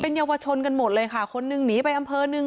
เยาวชนกันหมดเลยค่ะคนนึงหนีไปอำเภอหนึ่ง